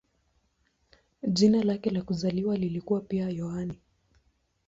Jina lake la kuzaliwa lilikuwa pia "Yohane".